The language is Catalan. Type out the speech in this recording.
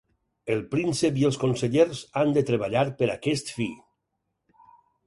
El príncep i els seus consellers han de treballar per aquest fi.